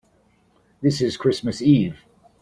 This is Christmas Eve.